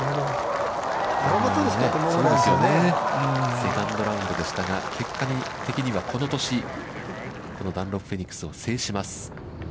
セカンドラウンドでしたが、結果的にはこの年、ダンロップフェニックスを制します。